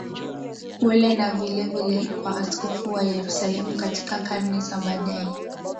kule na vilevile kwa Askofu wa Yerusalemu Katika karne za baadaye